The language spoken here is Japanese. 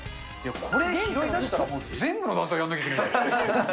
これ、拾い出したら全部の段差やんなきゃいけない。